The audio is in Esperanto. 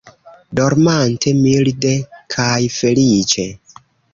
Dormante milde kaj feliĉe!